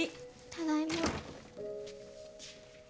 ただいま。